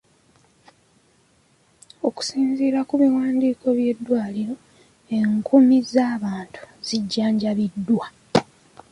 Okusinziira ku biwandiiko by'eddwaliro, enkumi z'abantu zijjanjabiddwa.